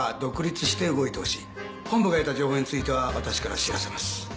本部が得た情報については私から知らせます。